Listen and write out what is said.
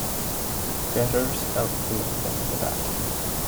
Getters help to maintain the vacuum.